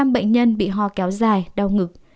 một mươi năm bệnh nhân bị ho kéo dài đau ngực